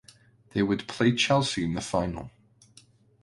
They would play Chelsea in the final.